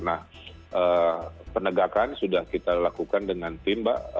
nah penegakan sudah kita lakukan dengan tim mbak